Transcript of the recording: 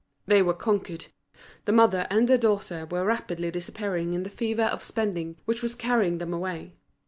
They were conquered, the mother and daughter were rapidly disappearing in the fever of spending which was carrying them away.